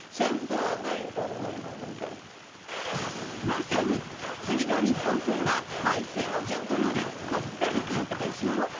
まさに次の日本戦が背水の陣となるコスタリカ代表。